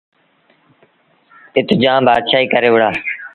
اَت جآم بآتشآهيٚ ڪري وُهڙآ۔